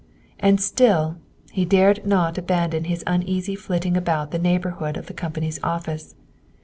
And still, he dared not abandon his uneasy flitting about the neighborhood of the company's office.